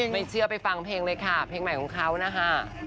ไม่เชื่อไปฟังเพลงเลยค่ะเพลงใหม่ของเขานะคะ